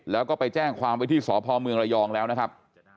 แล้วก็ไปแจ้งความไว้ที่สพเมืองระยองแล้วนะครับ